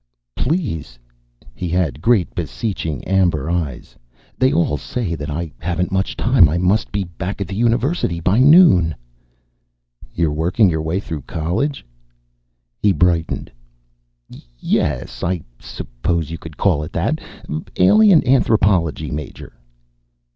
"Please." He had great, beseeching amber eyes. "They all say that. I haven't much time. I must be back at the University by noon." "You working your way through college?" He brightened. "Yes. I suppose you could call it that. Alien anthropology major."